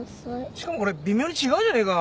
しかもこれ微妙に違うじゃねえか。